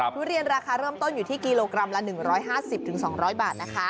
ทุเรียนราคาเริ่มต้นอยู่ที่กิโลกรัมละ๑๕๐๒๐๐บาทนะคะ